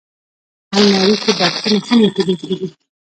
الماري کې بکسونه هم ایښودل کېږي